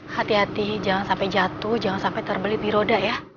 hati hati jangan sampai jatuh jangan sampai terbeli piroda ya